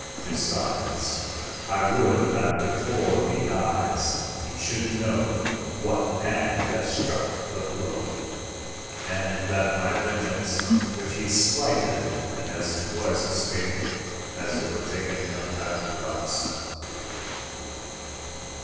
Besides, I would that before he dies he should know what hand has struck the blow, and that my vengeance, which he slighted and has twice escaped, has overtaken him at last."